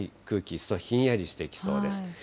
空気一層ひんやりしてきそうです。